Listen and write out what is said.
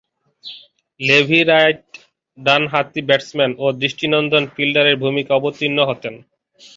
Levy Wright ডানহাতি batsman ও দৃষ্টিনন্দন ফিল্ডারের ভূমিকায় অবতীর্ণ হতেন।